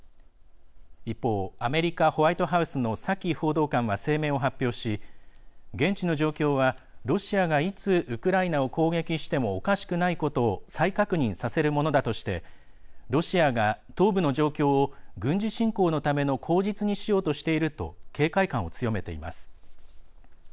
一方アメリカ・ホワイトハウスのサキ報道官は声明を発表し現地の状況はロシアがいつウクライナを攻撃してもおかしくないことを再確認させるものだとしてロシアが東部の状況を軍事侵攻のための口実にしようとしていると警戒感を強めています。